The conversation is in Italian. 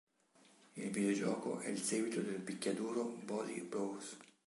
Il videogioco è il seguito del picchiaduro Body Blows.